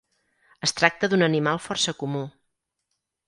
Es tracta d'un animal força comú.